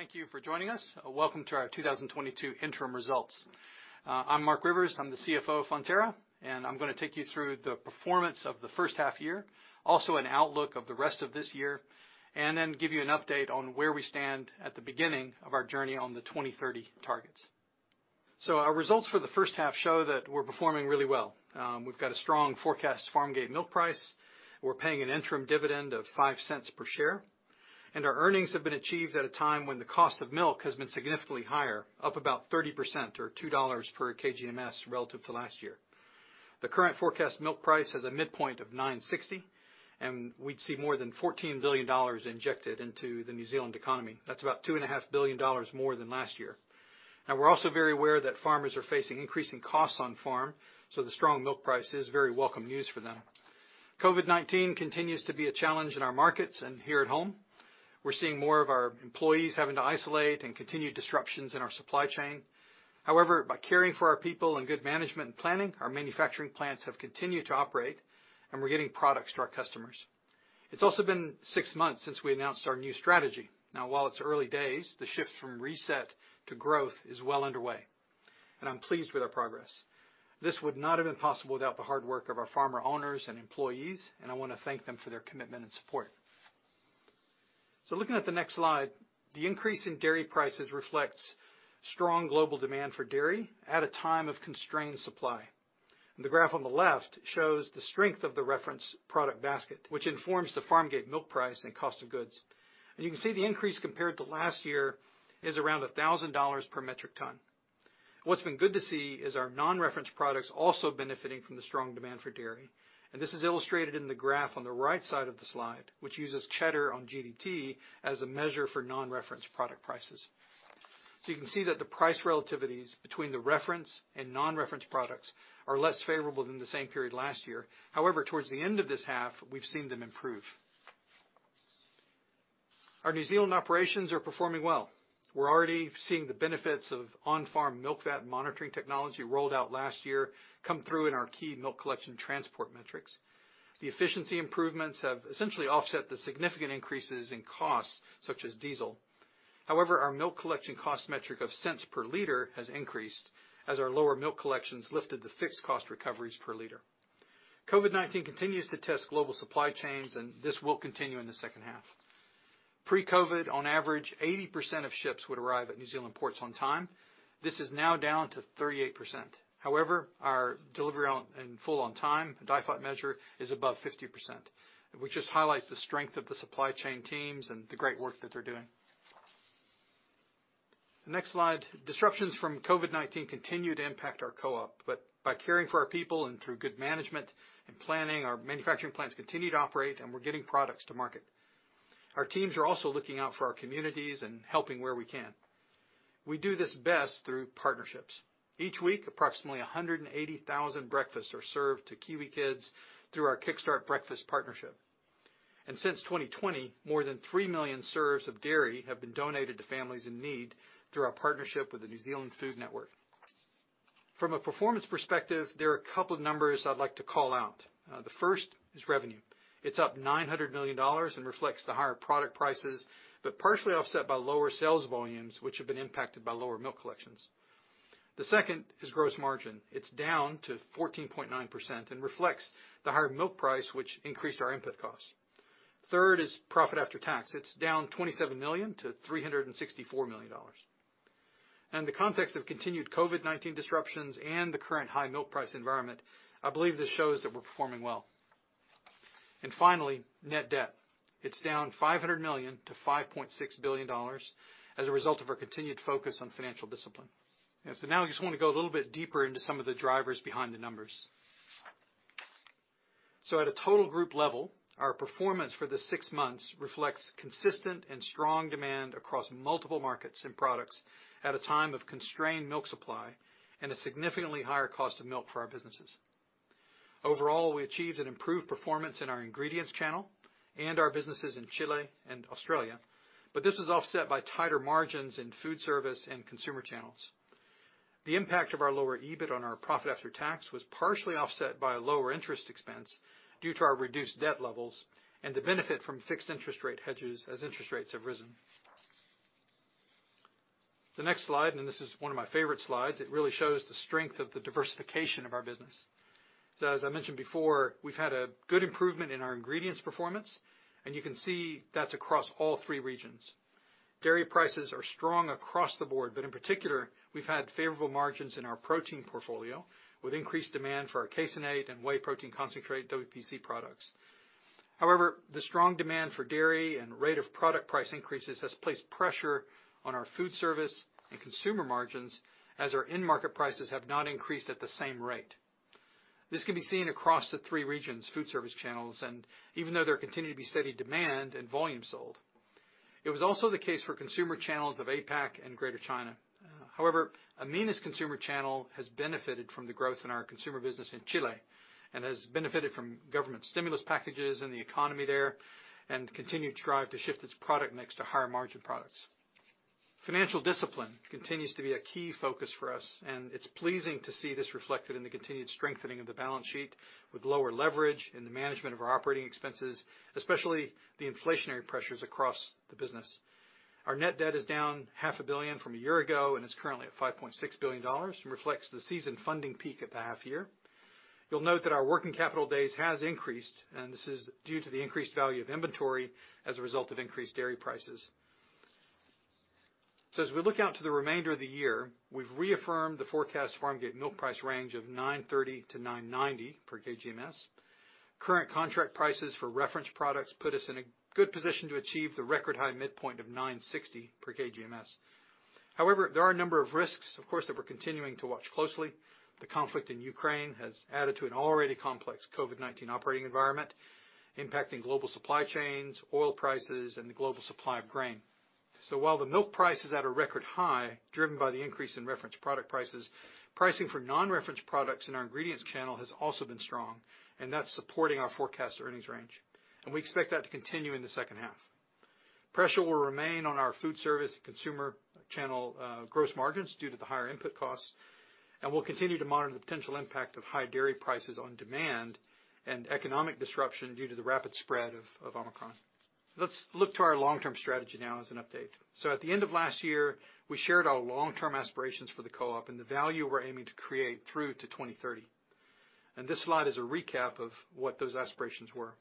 Thank you for joining us. Welcome to our 2022 interim results. I'm Marc Rivers, I'm the CFO of Fonterra, and I'm gonna take you through the performance of the first half year, also an outlook of the rest of this year, and then give you an update on where we stand at the beginning of our journey on the 2030 targets. Our results for the first half show that we're performing really well. We've got a strong forecast Farmgate Milk Price. We're paying an interim dividend of 0.05 per share. Our earnings have been achieved at a time when the cost of milk has been significantly higher, up about 30% or 2 dollars per kgMS relative to last year. The current forecast milk price has a midpoint of 9.60, and we'd see more than 14 billion dollars injected into the New Zealand economy. That's about 2.5 billion dollars more than last year. Now we're also very aware that farmers are facing increasing costs on farm, so the strong milk price is very welcome news for them. COVID-19 continues to be a challenge in our markets and here at home. We're seeing more of our employees having to isolate and continued disruptions in our supply chain. However, by caring for our people and good management and planning, our manufacturing plants have continued to operate, and we're getting products to our customers. It's also been six months since we announced our new strategy. Now while it's early days, the shift from reset to growth is well underway, and I'm pleased with our progress. This would not have been possible without the hard work of our farmer owners and employees, and I wanna thank them for their commitment and support. Looking at the next slide, the increase in dairy prices reflects strong global demand for dairy at a time of constrained supply. The graph on the left shows the strength of the reference product basket, which informs the Farmgate Milk Price and cost of goods. You can see the increase compared to last year is around $1,000 per metric ton. What's been good to see is our non-reference products also benefiting from the strong demand for dairy. This is illustrated in the graph on the right side of the slide, which uses Cheddar on GDT as a measure for non-reference product prices. You can see that the price relativities between the reference and non-reference products are less favorable than the same period last year. However, towards the end of this half, we've seen them improve. Our New Zealand operations are performing well. We're already seeing the benefits of on-farm milk fat monitoring technology rolled out last year come through in our key milk collection transport metrics. The efficiency improvements have essentially offset the significant increases in costs such as diesel. However, our milk collection cost metric of cents per liter has increased as our lower milk collections lifted the fixed cost recoveries per liter. COVID-19 continues to test global supply chains, and this will continue in the second half. Pre-COVID, on average, 80% of ships would arrive at New Zealand ports on time. This is now down to 38%. However, our delivery in full on time DIFOT measure is above 50%, which just highlights the strength of the supply chain teams and the great work that they're doing. The next slide. Disruptions from COVID-19 continue to impact our co-op, but by caring for our people and through good management and planning, our manufacturing plants continue to operate and we're getting products to market. Our teams are also looking out for our communities and helping where we can. We do this best through partnerships. Each week, approximately 180,000 breakfasts are served to Kiwi kids through our KickStart Breakfast partnership. Since 2020, more than 3 million serves of dairy have been donated to families in need through our partnership with the New Zealand Food Network. From a performance perspective, there are a couple of numbers I'd like to call out. The first is revenue. It's up 900 million dollars and reflects the higher product prices, but partially offset by lower sales volumes, which have been impacted by lower milk collections. The second is gross margin. It's down to 14.9% and reflects the higher milk price, which increased our input costs. Third is profit after tax. It's down 27 million to 364 million dollars. In the context of continued COVID-19 disruptions and the current high milk price environment, I believe this shows that we're performing well. Finally, net debt. It's down 500 million to 5.6 billion dollars as a result of our continued focus on financial discipline. Now we just wanna go a little bit deeper into some of the drivers behind the numbers. At a total group level, our performance for the six months reflects consistent and strong demand across multiple markets and products at a time of constrained milk supply and a significantly higher cost of milk for our businesses. Overall, we achieved an improved performance in our Ingredients channel and our businesses in Chile and Australia, but this was offset by tighter margins in foodservice and consumer channels. The impact of our lower EBIT on our profit after tax was partially offset by a lower interest expense due to our reduced debt levels and the benefit from fixed interest rate hedges as interest rates have risen. The next slide, and this is one of my favorite slides, it really shows the strength of the diversification of our business. As I mentioned before, we've had a good improvement in our Ingredients performance, and you can see that's across all three regions. Dairy prices are strong across the board, but in particular, we've had favorable margins in our protein portfolio with increased demand for our Caseinate and Whey Protein Concentrate, WPC, products. However, the strong demand for dairy and rate of product price increases has placed pressure on our foodservice and consumer margins as our end market prices have not increased at the same rate. This can be seen across the three regions' foodservice channels, and even though there continued to be steady demand and volume sold, it was also the case for consumer channels of APAC and Greater China. However, AMENA's consumer channel has benefited from the growth in our consumer business in Chile and has benefited from government stimulus packages and the economy there and continues to drive the shift its product mix to higher margin products. Financial discipline continues to be a key focus for us, and it's pleasing to see this reflected in the continued strengthening of the balance sheet with lower leverage in the management of our operating expenses, especially the inflationary pressures across the business. Our net debt is down half a billion from a year ago, and it's currently at 5.6 billion dollars and reflects the seasonal funding peak at the half year. You'll note that our working capital days has increased, and this is due to the increased value of inventory as a result of increased dairy prices. As we look out to the remainder of the year, we've reaffirmed the forecast Farmgate Milk Price range of 9.30-9.90 per kgMS. Current contract prices for reference products put us in a good position to achieve the record high midpoint of 9.60 per kgMS. However, there are a number of risks, of course, that we're continuing to watch closely. The conflict in Ukraine has added to an already complex COVID-19 operating environment, impacting global supply chains, oil prices, and the global supply of grain. While the milk price is at a record high, driven by the increase in reference product prices, pricing for non-reference products in our Ingredients channel has also been strong, and that's supporting our forecast earnings range. We expect that to continue in the second half. Pressure will remain on our foodservice and consumer channel gross margins due to the higher input costs, and we'll continue to monitor the potential impact of high dairy prices on demand and economic disruption due to the rapid spread of Omicron. Let's look to our long-term strategy now as an update. At the end of last year, we shared our long-term aspirations for the co-op and the value we're aiming to create through to 2030. This slide is a recap of what those aspirations were.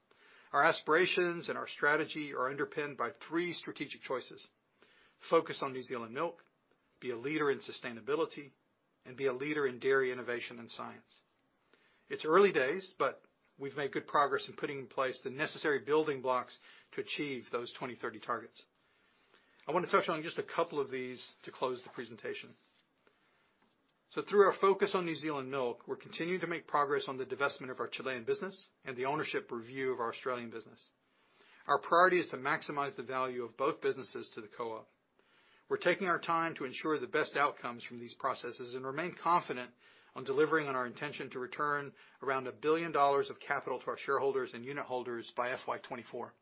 Our aspirations and our strategy are underpinned by three strategic choices: focus on New Zealand milk, be a leader in sustainability, and be a leader in dairy innovation and science. It's early days, but we've made good progress in putting in place the necessary building blocks to achieve those 2030 targets. I wanna touch on just a couple of these to close the presentation. Through our focus on New Zealand milk, we're continuing to make progress on the divestment of our Chilean business and the ownership review of our Australian business. Our priority is to maximize the value of both businesses to the co-op. We're taking our time to ensure the best outcomes from these processes and remain confident on delivering on our intention to return around 1 billion dollars of capital to our shareholders and unitholders by FY 2024.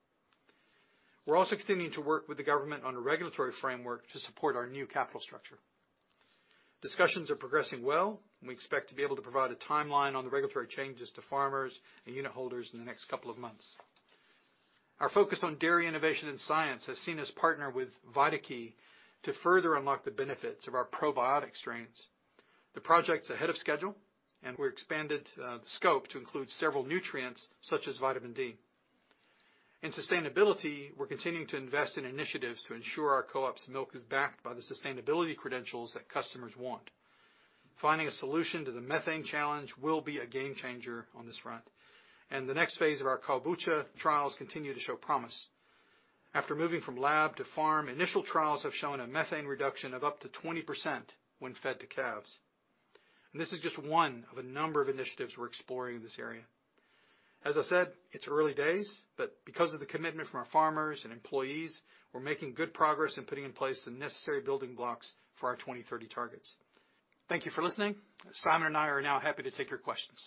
We're also continuing to work with the government on a regulatory framework to support our new capital structure. Discussions are progressing well, and we expect to be able to provide a timeline on the regulatory changes to farmers and unitholders in the next couple of months. Our focus on dairy innovation and science has seen us partner with VitaKey to further unlock the benefits of our probiotic strains. The project's ahead of schedule, and we expanded the scope to include several nutrients such as vitamin D. In sustainability, we're continuing to invest in initiatives to ensure our co-op's milk is backed by the sustainability credentials that customers want. Finding a solution to the methane challenge will be a game changer on this front, and the next phase of our Kowbucha trials continue to show promise. After moving from lab to farm, initial trials have shown a methane reduction of up to 20% when fed to calves. This is just one of a number of initiatives we're exploring in this area. As I said, it's early days, but because of the commitment from our farmers and employees, we're making good progress in putting in place the necessary building blocks for our 2030 targets. Thank you for listening. Simon and I are now happy to take your questions.